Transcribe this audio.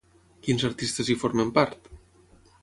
Quins artistes hi formen part?